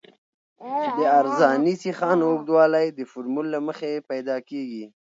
د عرضاني سیخانو اوږدوالی د فورمول له مخې پیدا کیږي